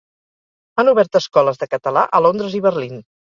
Han obert escoles de català a Londres i Berlín.